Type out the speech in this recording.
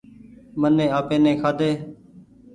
مني آپي ني کآ ۮي۔